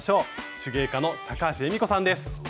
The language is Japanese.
手芸家の高橋恵美子さんです。